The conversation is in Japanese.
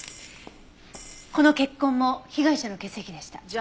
この血痕も被害者の血液でした。